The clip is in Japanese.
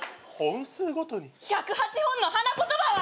１０８本の花言葉は。